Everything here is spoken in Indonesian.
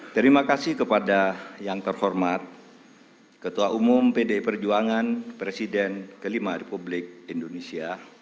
terima kasih kepada yang terhormat ketua umum pdi perjuangan presiden kelima republik indonesia